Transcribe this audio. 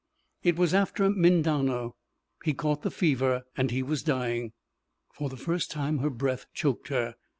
It was after Mindano. He caught the fever, and he was dying." For the first time her breath choked her.